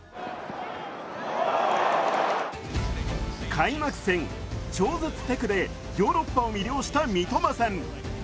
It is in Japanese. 開幕戦、超絶テクでヨーロッパを魅了した三笘薫。